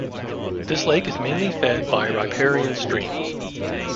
This lake is mainly fed by riparian streams.